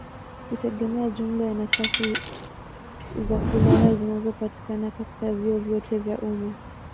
hutegemea jumla ya nafasi za kulala zinazopatikana katika vyuo vyote vya umma.